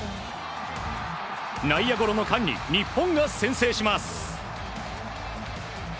内野ゴロの間に日本が先制します。